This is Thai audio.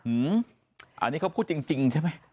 อืมอันนี้เขาพูดจริงใช่ไหม